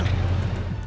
kamu hidup dari bener